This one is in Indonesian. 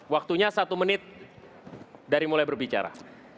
waktunya satu menit dari mulai berbicara